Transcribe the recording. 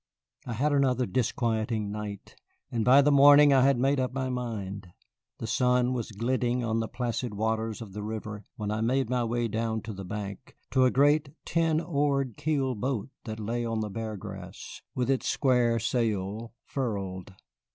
I had another disquieting night, and by the morning I had made up my mind. The sun was glinting on the placid waters of the river when I made my way down to the bank, to a great ten oared keel boat that lay on the Bear Grass, with its square sail furled.